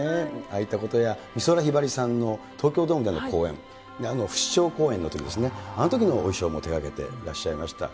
ああいったことや美空ひばりさんの東京ドームでの公演、不死鳥公演のときですね、あのときのお衣装も手がけていらっしゃいました。